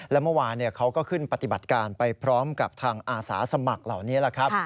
และเมื่อวานเขาก็ขึ้นปฏิบัติการไปพร้อมกับทางอาสาสมัครเหล่านี้แหละครับ